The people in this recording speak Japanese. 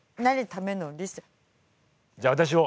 じゃあ私も。